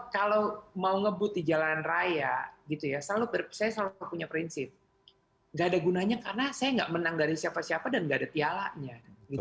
kalau mau ngebut di jalan raya gitu ya saya selalu punya prinsip gak ada gunanya karena saya nggak menang dari siapa siapa dan nggak ada pialanya